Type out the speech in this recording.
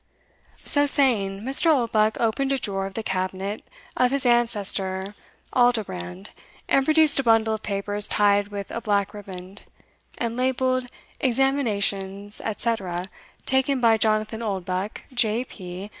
So saying, Mr. Oldbuck opened a drawer of the cabinet of his ancestor Aldobrand, and produced a bundle of papers tied with a black ribband, and labelled, Examinations, etc., taken by Jonathan Oldbuck, J. P.